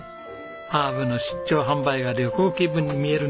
ハーブの出張販売が旅行気分に見えるんですね。